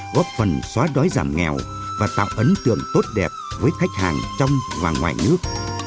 góp phần xóa đói giảm nghèo và tạo ấn tượng tốt đẹp với khách hàng trong và ngoài nước